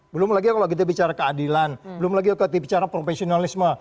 belum lagi kalau kita bicara keadilan belum lagi bicara profesionalisme